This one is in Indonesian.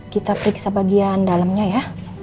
kita periksa bagian dalamnya ya